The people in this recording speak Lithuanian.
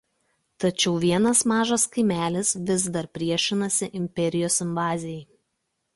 Tačiau vienas mažas kaimelis vis dar priešinasi imperijos invazijai.